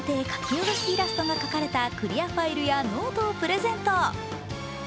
下ろしイラストが描かれたクリアファイルやノートをプレゼント。